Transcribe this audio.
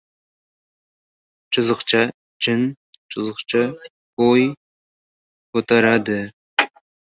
— Chin — qo‘y ko‘taradi.